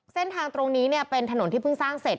เส้นทางตรงนี้เนี่ยเป็นถนนที่เพิ่งสร้างเสร็จ